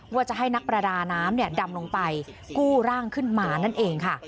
ว่าจะให้นักประดาน้ำดำลงไปกู้ร่างขึ้นมานั่นเองค่ะ